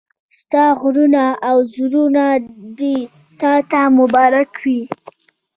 ستا غرور او زور دې تا ته مبارک وي